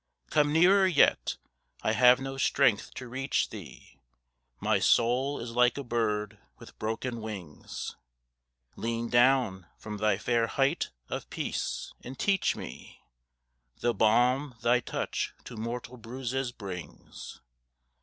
Come nearer yet, I have no strength to reach Thee; My soul is like a bird with broken wings. Lean down from Thy fair height of peace, and teach me The balm Thy touch to mortal bruises brings.